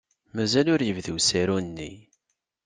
Mazal ur yebdi usaru-nni.